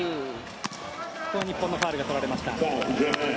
ここは日本がファウルを取られました。